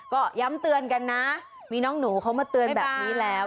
ก็ย้ำเตือนกันนะมีน้องหนูเขามาเตือนแบบนี้แล้ว